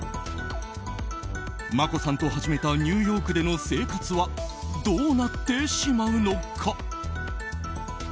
眞子さんと始めたニューヨークでの生活はどうなってしまうのか。